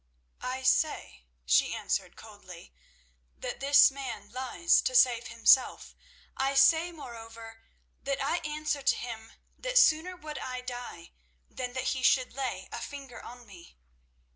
"I say," she answered coldly, "that this man lies to save himself. I say, moreover, that I answered to him, that sooner would I die than that he should lay a finger on me."